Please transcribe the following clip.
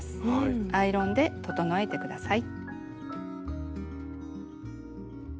アイロンで整えて下さい。